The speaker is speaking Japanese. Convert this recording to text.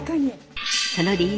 その理由